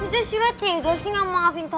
tuh silla cega sih gak maafin tata